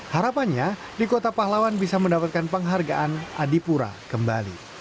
harapannya di kota pahlawan bisa mendapatkan penghargaan adipura kembali